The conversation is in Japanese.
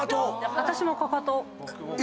私もかかと。